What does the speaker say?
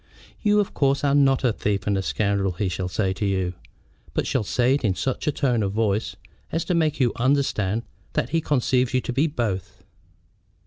"You, of course, are not a thief and a scoundrel," he shall say to you, but shall say it in such a tone of voice as to make you understand that he conceives you to be both.